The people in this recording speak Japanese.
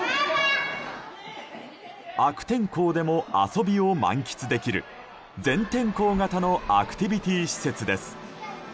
悪天候でも遊びを満喫できる全天候型のアクティビティー施設です。